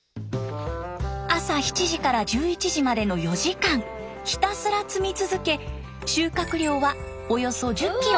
朝７時から１１時までの４時間ひたすら摘み続け収穫量はおよそ１０キロ。